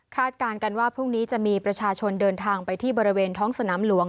การกันว่าพรุ่งนี้จะมีประชาชนเดินทางไปที่บริเวณท้องสนามหลวง